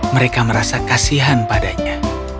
mereka merasa kasihan padanya